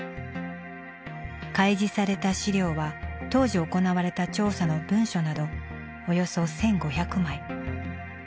開示された資料は当時行われた調査の文書などおよそ１５００枚。